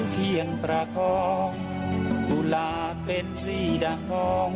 เที่ยงประคองกุหลาบเป็นสีดังของ